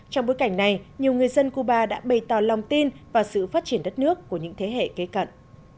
trong bối cảnh này nhiều người dân cuba đã bày tỏ lòng tin và sự phát triển đất nước của những thế hệ kế cận